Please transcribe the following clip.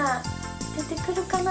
でてくるかな？